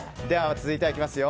続いて、いきますよ。